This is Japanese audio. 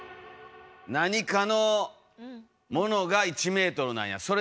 何かのものが１ｍなんや。